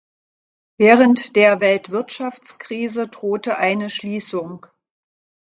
Während der Weltwirtschaftskrise drohte eine Schliessung.